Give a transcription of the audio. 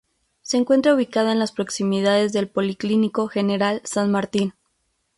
Se encuentra ubicada en las proximidades del Policlínico General San Martín.